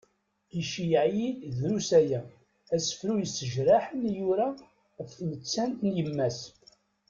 Iceyyeε-iyi-d, drus aya, asefru yessejraḥen i yura af tmettant n yemma-s.